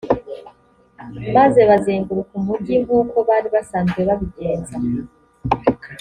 maze bazenguruka umugi nk’uko bari basanzwe babigenza.